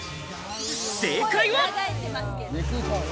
正解は。